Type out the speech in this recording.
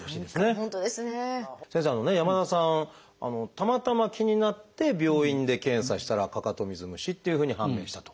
たまたま気になって病院で検査したらかかと水虫っていうふうに判明したと。